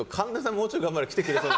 もうちょい頑張ればいや、そう。